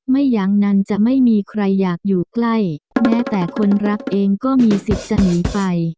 ไม่อย่างนั้นจะไม่มีใครอยากอยู่ใกล้แม้แต่คนรักเองก็มีสิทธิ์จะหนีไป